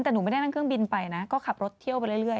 แต่หนูไม่ได้นั่งเครื่องบินไปนะก็ขับรถเที่ยวไปเรื่อย